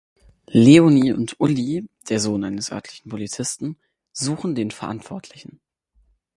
Leonie und Ulli, der Sohn eines örtlichen Polizisten, suchen den Verantwortlichen.